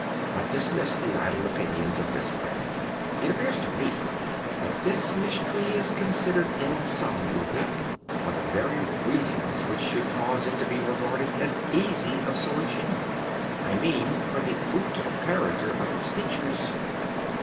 But dismiss the idle opinions of this print. It appears to me that this mystery is considered insoluble, for the very reason which should cause it to be regarded as easy of solution—I mean for the outré character of its features.